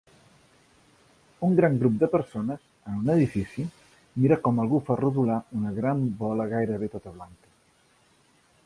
Un gran grup de persones en un edifici mira com algú fa rodolar una gran bola gairebé tota blanca.